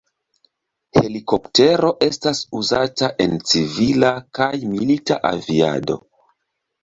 Helikoptero estas uzata en civila kaj milita aviado.